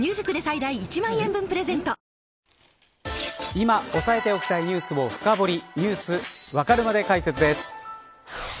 今押さえておきたいニュースを深掘りニュースわかるまで解説です。